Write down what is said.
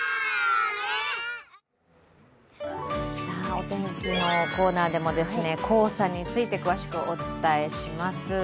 お天気のコーナーでも黄砂について詳しくお伝えします。